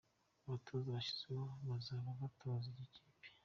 Abatoza bashyizweho bazaba batoza iyi kipe.